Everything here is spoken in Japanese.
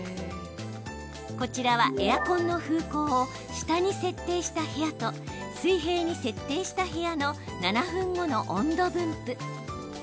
こちらはエアコンの風向を下に設定した部屋と水平に設定した部屋の７分後の温度分布。